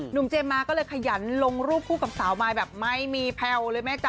เจมมาก็เลยขยันลงรูปคู่กับสาวมายแบบไม่มีแพลวเลยแม่จ๊